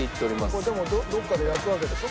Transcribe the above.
これでもどこかで焼くわけでしょ？